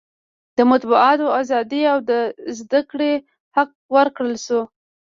د مطبوعاتو ازادي او د زده کړې حق ورکړل شو.